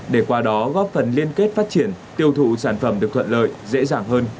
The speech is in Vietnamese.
để qua đó góp phần liên kết phát triển tiêu thụ sản phẩm được thuận lợi dễ dàng hơn